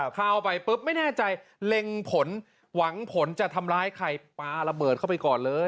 เข้าไปปุ๊บไม่แน่ใจเล็งผลหวังผลจะทำร้ายใครปลาระเบิดเข้าไปก่อนเลย